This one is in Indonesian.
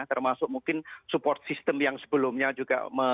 termasuk mungkin support system yang sebelumnya juga